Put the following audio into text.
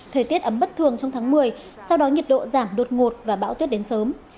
thời tiết ấm bất thường trong tháng một mươi sau đó nhiệt độ giảm đột ngột và bão tuyết đến sớm